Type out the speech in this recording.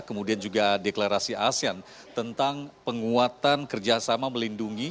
kemudian juga deklarasi asean tentang penguatan kerjasama melindungi